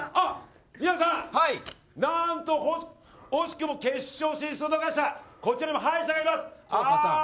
皆さん何と惜しくも決勝進出を逃したこちらの敗者がいます。